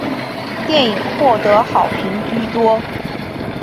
电影获得好评居多。